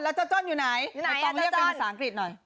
แล้วเจ้าจ้อนอยู่ไหนไม่ต้องเรียกเป็นภาษาอังกฤษหน่อย